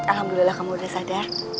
bu ulan alhamdulillah kamu udah sadar